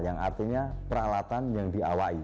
yang artinya peralatan yang diawai